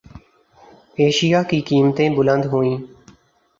اشیا کی قیمتیں بلند ہوئیں